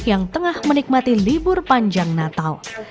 yang tengah menikmati libur panjang natal